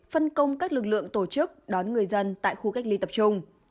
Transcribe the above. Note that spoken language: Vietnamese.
phân công các lực lượng tổ chức đón người dân tại khu cách ly tập trung